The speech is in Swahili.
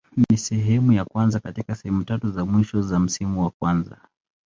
Ni sehemu ya kwanza katika sehemu tatu za mwisho za msimu wa kwanza.